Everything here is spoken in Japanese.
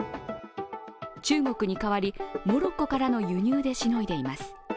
中国に代わり、モロッコからの輸入でしのいでいます。